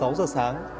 hơn sáu giờ sáng